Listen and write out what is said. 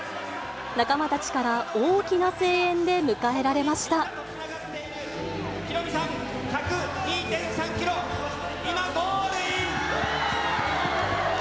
仲間たちから大きな声援で迎えらヒロミさん、１０２．３キロ、今、ゴールイン。